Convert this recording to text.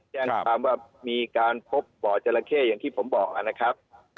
แจ้งความว่ามีการพบบ่อจราเข้อย่างที่ผมบอกนะครับ